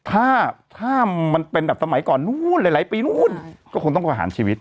ถ้าถ้ามันเป็นแบบสมัยก่อนนู้นหลายหลายปีนู้นก็คงต้องประหารชีวิต